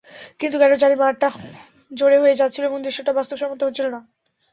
কিন্তু কেন জানি মারটা জোরে হয়ে যাচ্ছিল এবং দৃশ্যটা বাস্তবসম্মত হচ্ছিল না।